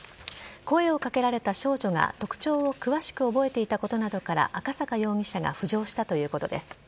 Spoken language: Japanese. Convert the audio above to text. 声を掛けられた少女が特徴を詳しく覚えていたことなどから赤坂容疑者が浮上したということです。